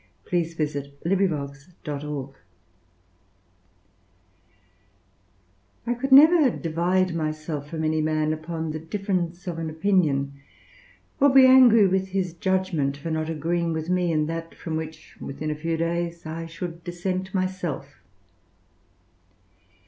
Bacon] FROM THE 'RELIGIO MEDICI' I could never divide myself from any man upon the difference of an opinion, or be angry with his judgment for not agreeing with me in that from which within a few days I should dissent myself.